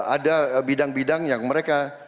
ada bidang bidang yang mereka